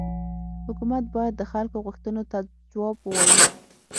حکومت باید د خلکو غوښتنو ته جواب ووايي.